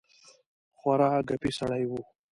خورا ګپي سړی وو.